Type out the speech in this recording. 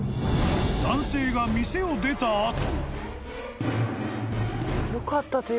［男性が店を出た後］